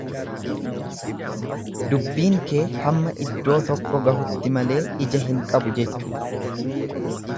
Dubbiin kee hamma iddoo tokko gahutti malee ija hin qabu jechuudha.